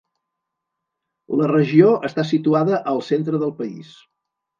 La regió està situada al centre del país.